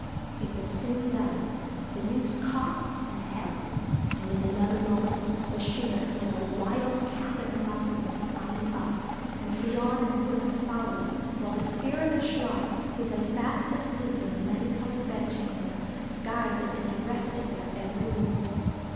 It was soon done. The noose caught, and held. And, in another moment, Bechunach, like a wild cat of the mountain, was climbing up. Fion and Grunne followed, while the spirit of Chluas, who lay fast asleep in the Many coloured Bedchamber, guided and directed their every movement.